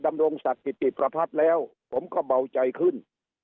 ดำรงศักดิ์กิติประพัทธ์แล้วผมก็เบาใจขึ้น